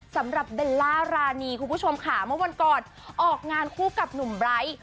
สำหรับเบลล่ารานีคุณผู้ชมค่ะเมื่อวันก่อนออกงานคู่กับหนุ่มไบร์ท